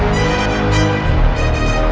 kau sudah pernah menemukan